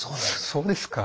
そうですか？